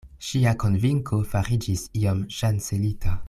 Ŝia konvinko fariĝis iom ŝancelita.